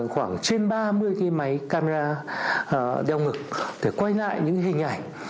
khoảng trên ba mươi cái máy camera đeo ngực để quay lại những hình ảnh